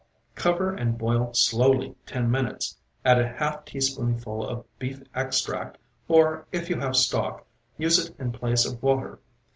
Cover and boil slowly ten minutes; add a half teaspoonful of beef extract, or, if you have stock, use it in place of water.